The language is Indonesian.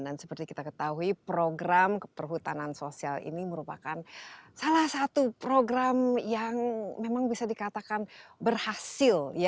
dan seperti kita ketahui program perhutanan sosial ini merupakan salah satu program yang memang bisa dikatakan berhasil